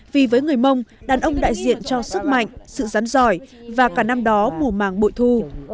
vì với người mông đàn ông đại diện cho sức mạnh sự rắn giỏi và cả năm đó mùa màng bội thu